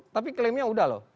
tapi klaimnya sudah loh